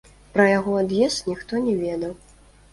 Пра яго ад'езд ніхто не ведаў.